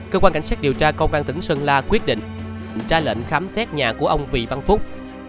cơ quan cảnh sát điều tra công an tỉnh sơn la quyết định ra lệnh khám xét nhà của ông vị văn phúc